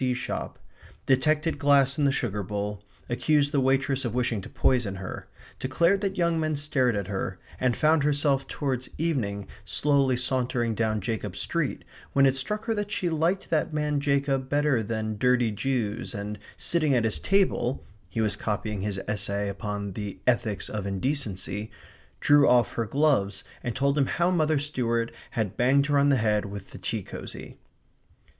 B.C. shop; detected glass in the sugar bowl; accused the waitress of wishing to poison her; declared that young men stared at her; and found herself towards evening slowly sauntering down Jacob's street, when it struck her that she liked that man Jacob better than dirty Jews, and sitting at his table (he was copying his essay upon the Ethics of Indecency), drew off her gloves and told him how Mother Stuart had banged her on the head with the tea cosy.